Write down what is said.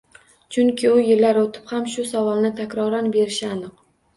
Chunki u yillar o'tib ham shu savolni takroran berishi aniq!